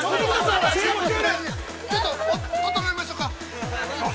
ちょっと整えましょうか。